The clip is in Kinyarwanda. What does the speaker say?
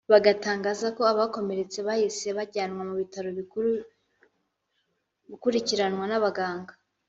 batangaza ko abakomeretse bahise bajyanwa ku bitaro bikuru gukurikiranwa n’abaganga